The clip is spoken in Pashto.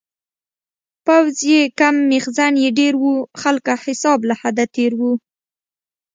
پوځ یې کم میخزن یې ډیر و-خلکه حساب له حده تېر و